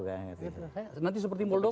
nanti seperti muldoko